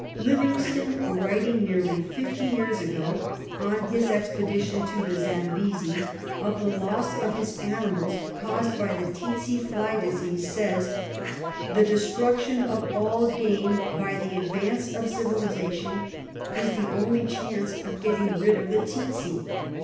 Livingstone, writing nearly fifty years ago, on his expedition to the Zambesi, of the loss of his animals caused by the tsetse fly disease, says : "The destruction of all game by the advance of civilisation is the only chance of getting rid of the tsetse."